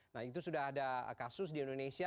nah itu sudah ada kasus di indonesia